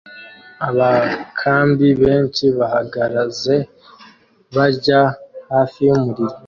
Abakambi benshi bahagaze barya hafi yumuriro